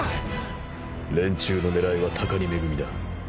連中の狙いは高荷恵だ。